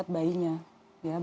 ya bayinya kalau yang biru